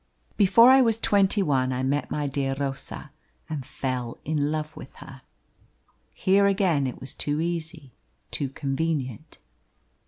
Before I was twenty one I met my dear Rosa and fell in love with her. Here again it was too easy, too convenient.